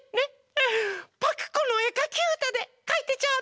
パクこのえかきうたでかいてちょうだいフフフ！